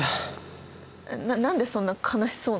な何でそんな悲しそうなの？